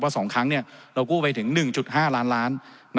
๒ครั้งเรากู้ไปถึง๑๕ล้านล้าน